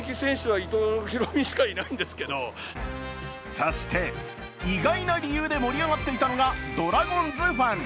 そして意外な理由で盛り上がっていたのがドラゴンズファン。